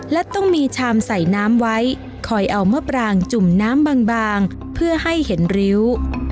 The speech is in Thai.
และต้องมีชามใส่น้ำไว้คอยเอามะปรางจุ่มน้ำบางเพื่อให้เห็นริ้ว